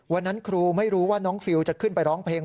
วันนั้นครูไม่รู้ว่าน้องฟิลจะขึ้นไปร้องเพลง